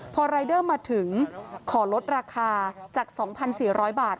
พอรายเดอร์มาถึงขอลดราคาจาก๒๔๐๐บาท